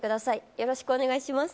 よろしくお願いします。